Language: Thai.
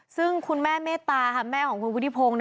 ซึ่งคุณแม่เมตตาแม่ของคุณวุฒิพงศ์